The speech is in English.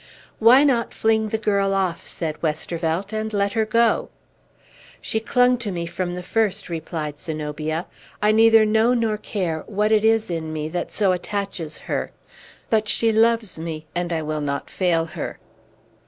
"Why not fling the girl off," said Westervelt, "and let her go?" "She clung to me from the first," replied Zenobia. "I neither know nor care what it is in me that so attaches her. But she loves me, and I will not fail her."